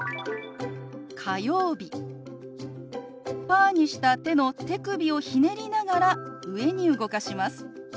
パーにした手の手首をひねりながら上に動かします。